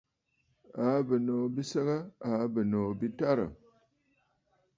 Àa bɨ̀nòò bi səgə? Àa bɨnòò bi tarə̀.